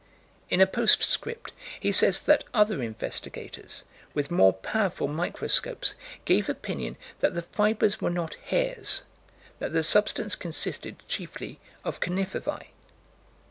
In a postscript, he says that other investigators, with more powerful microscopes, gave opinion that the fibers were not hairs; that the substance consisted chiefly of conifervæ.